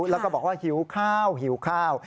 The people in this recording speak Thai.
แล้วก็บอกว่าหิวข้าวหิวข้าว